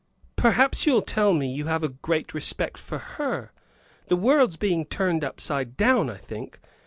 "Perhaps you'll tell me you have a respect for her! The world's being turned upside down, I think.